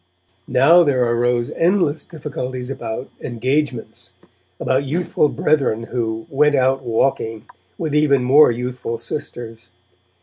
Now there arose endless difficulties about 'engagements', about youthful brethren who 'went out walking' with even more youthful sisters.